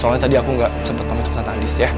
soalnya tadi aku gak sempet pamit sama tante andis ya